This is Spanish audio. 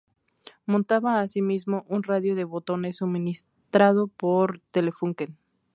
Montaba asimismo, un radio de botones suministrado por Telefunken.